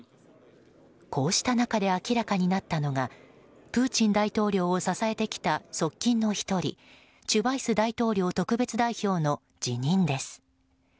こうした中で明らかになったのがプーチン大統領を支えてきた側近の１人チュバイス大統領特別代表の辞任です。